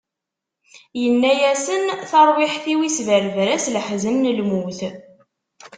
Inna-asen: Taṛwiḥt-iw, isberber-as leḥzen n lmut.